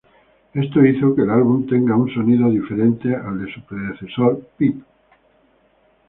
Esto hizo que el álbum tenga un sonido diferente al de su predecesor Peep.